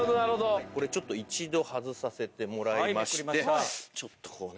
これちょっと一度外させてもらいましてちょっとこうね